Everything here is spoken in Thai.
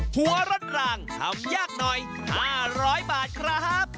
หัวรถร่างทำยากหน่อยห้าร้อยบาทครับ